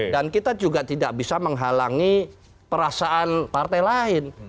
dan kita juga tidak bisa menghalangi perasaan partai lain